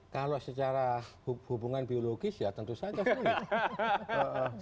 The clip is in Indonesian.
kalau secara hubungan biologis ya tentu saja sulit